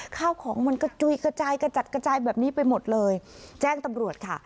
ข้าวของมันกระจุยกระจายกระจัดกระจายแบบนี้ไปหมดเลยแจ้งตำรวจค่ะ